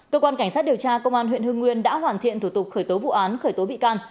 cơ quan cảnh sát điều tra công an huyện hưng nguyên đã hoàn thiện thủ tục khởi tố vụ án khởi tố bị can